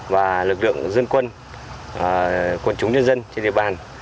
và lực lượng dân quân quận chúng nhân dân trên địa bàn